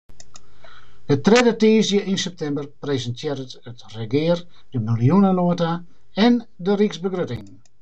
De tredde tiisdeis yn septimber presintearret it regear de miljoenenota en de ryksbegrutting.